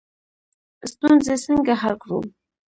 ستونزې څنګه حل کړو؟